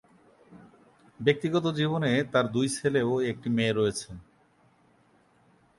ব্যক্তিগত জীবনে তার দুই ছেলে ও এক মেয়ে রয়েছে।